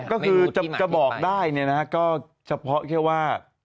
ก็คือจะบอกได้เนี่ยนะก็เฉพาะแค่ว่า